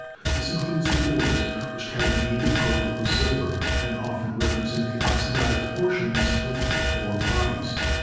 This includes the ores which carry native gold or silver, and often represent the 2S4 GEOLOGY oxidized portions of ore bodies.